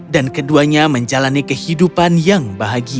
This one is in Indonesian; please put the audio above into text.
dan keduanya menjalani kehidupan yang bahagia